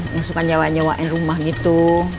masukkan nyawa nyewain rumah gitu